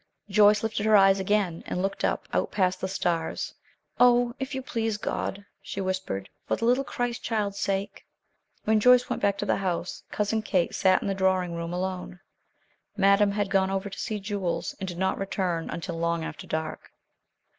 Joyce lifted her eyes again and looked up, out past the stars. "Oh, if you please, God," she whispered, "for the little Christ child's sake." When Joyce went back to the house, Cousin Kate sat in the drawing room alone. Madame had gone over to see Jules, and did not return until long after dark.